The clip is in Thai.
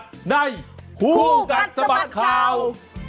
คู่กัดสมัติข่าวในคู่กัดสมัติข่าว